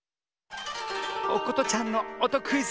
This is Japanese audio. おことちゃんのおとクイズ